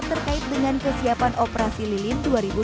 terkait dengan kesiapan operasi lilin dua ribu dua puluh